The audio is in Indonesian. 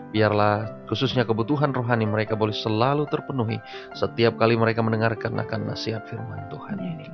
biarlah khususnya kebutuhan rohani mereka boleh selalu terpenuhi setiap kali mereka mendengarkan akan nasihat firman tuhan